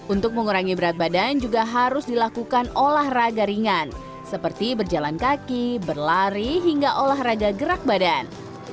untuk mengurangi berat badan juga harus dilakukan olahraga ringan seperti berjalan kaki berlari hingga olahraga gerak badan